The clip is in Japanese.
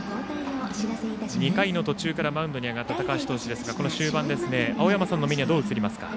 ２回途中からマウンドに上がった高橋投手ですが、この終盤青山さんの目にはどう映りますか。